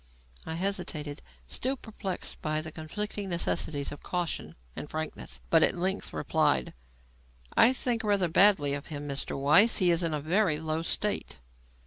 I hesitated, still perplexed by the conflicting necessities of caution and frankness, but at length replied: "I think rather badly of him, Mr. Weiss. He is in a very low state."